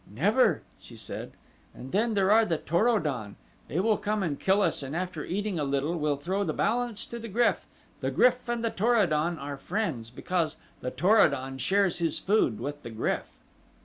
"Never," she said, "and then there are the Tor o don. They will come and kill us and after eating a little will throw the balance to the GRYF the GRYF and Tor o don are friends, because the Tor o don shares his food with the GRYF."